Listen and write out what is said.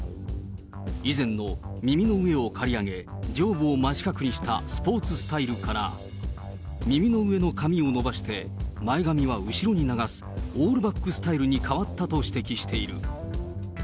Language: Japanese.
以前の耳の上を刈り上げ、上部を真四角にしたスポーツスタイルから、耳の上の髪を伸ばして、前髪は後ろに流すオールバックスタイルに変わったと指摘している。